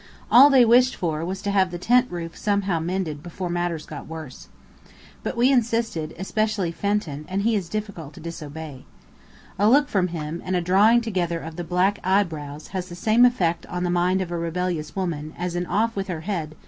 All they wished for was to have the tent roof somehow mended before matters got worse. But we insisted, especially Fenton; and he is difficult to disobey. A look from him, and a drawing together of the black eyebrows has the same effect on the mind of a rebellious woman as an "Off with her head!"